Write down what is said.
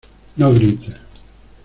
no grites.